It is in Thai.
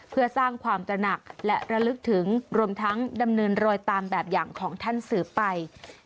เพื่อสร้างความตระหนักและระลึกถึงรวมทั้งดำเนินรอยตามแบบอย่างของท่านสืบไป